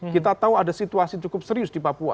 kita tahu ada situasi cukup serius di papua